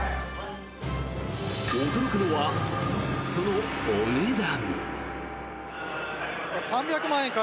驚くのは、そのお値段。